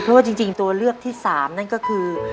เพราะว่าจริงตัวเลือกที่๓นั่นก็คือ